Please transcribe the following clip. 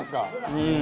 うん。